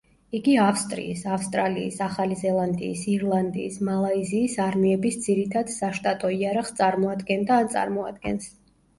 იგი ავსტრიის, ავსტრალიის, ახალი ზელანდიის, ირლანდიის, მალაიზიის არმიების ძირითად საშტატო იარაღს წარმოადგენდა ან წარმოადგენს.